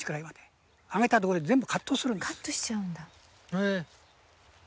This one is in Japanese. へえ！